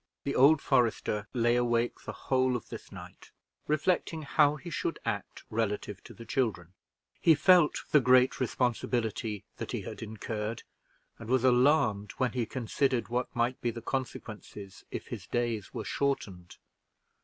The old forester lay awake the whole of this night, reflecting how he should act relative to the children; he felt the great responsibility that he had incurred, and was alarmed when he considered what might be the consequences if his days were shortened.